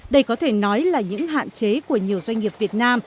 đây có thể nói là những hạn chế của nhiều doanh nghiệp việt nam